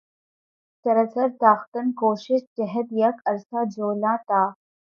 سراسر تاختن کو شش جہت یک عرصہ جولاں تھا